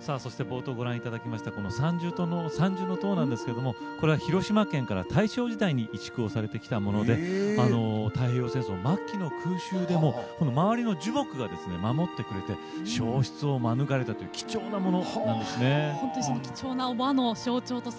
そして、冒頭ご覧いただきました三重塔なんですけどこれは広島県から大正時代に移築をされてきたもので太平洋戦争末期の空襲でも周りの樹木が守ってくれて、焼失を免れたと貴重なものなんですね。